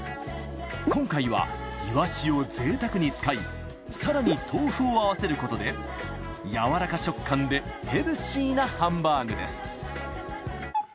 今回はイワシを贅沢に使い更に豆腐を合わせることでやわらか食感でヘルシーなハンバーグです